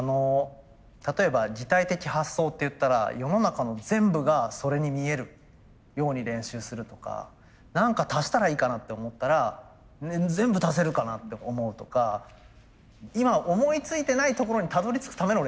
例えば擬態的発想っていったら世の中の全部がそれに見えるように練習するとか何か足したらいいかなって思ったら全部足せるかなって思うとか今思いついてないところにたどりつくための練習なんですよ。